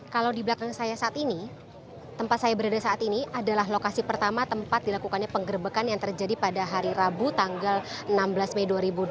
kalau di belakang saya saat ini tempat saya berada saat ini adalah lokasi pertama tempat dilakukannya penggerbekan yang terjadi pada hari rabu tanggal enam belas mei dua ribu dua puluh